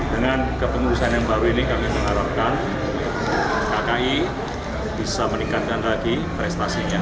dengan kepengurusan yang baru ini kami mengharapkan kki bisa meningkatkan lagi prestasinya